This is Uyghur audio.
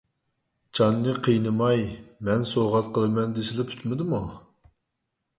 جاننى قىينىماي، مەن سوۋغات قىلىمەن دېسىلا پۈتمىدىمۇ؟!